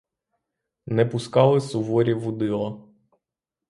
Не пускали суворі вудила.